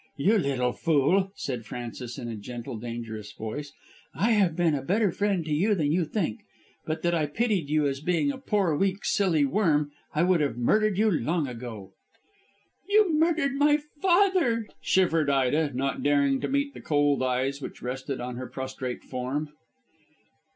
"You little fool," said Frances in a gentle, dangerous voice. "I have been a better friend to you than you think. But that I pitied you as being a poor, weak, silly worm, I would have murdered you long ago." "You murdered my father," shivered Ida, not daring to meet the cold eyes which rested on her prostrate form.